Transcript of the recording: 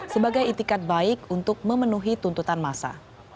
sebagai itikat baik untuk memenuhi tuntutan masa